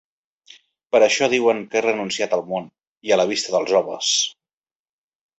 Per això diuen que ha renunciat al món i a la vista dels homes.